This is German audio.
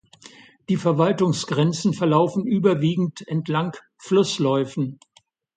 Die Verwaltungsgrenzen verlaufen überwiegend entlang Flussläufen.